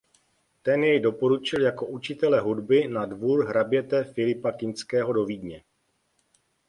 Ten jej doporučil jako učitele hudby na dvůr hraběte Filipa Kinského do Vídně.